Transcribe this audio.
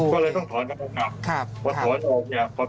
ก็เลยต้องถอนกับกลางกลับถอนออกเนี่ย